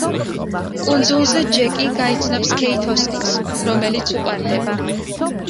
კუნძულზე ჯეკი გაიცნობს ქეით ოსტინს, რომელიც უყვარდება.